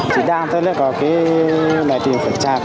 chỉ đang thôi nữa có cái này thì phải chạp